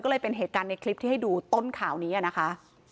ก็เลยเป็นเหตุการณ์ในคลิปที่ให้ดูต้นข่าวนี้นะคะ